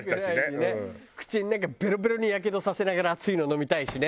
口の中ベロベロにやけどさせながら熱いの飲みたいしね。